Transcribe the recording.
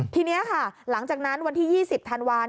ทีนี้ค่ะหลังจากนั้นวันที่๒๐ธันวาล